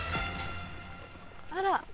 あら？